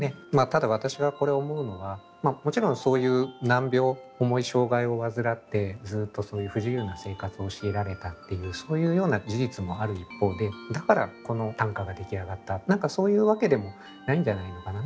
ただ私がこれ思うのはもちろんそういう難病重い障害を患ってずっとそういう不自由な生活を強いられたっていうそういうような事実もある一方でだからこの短歌が出来上がった何かそういうわけでもないんじゃないのかな。